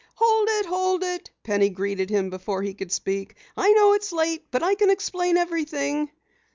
"Hold it! Hold it!" Penny greeted him before he could speak. "I know it's late, but I can explain everything."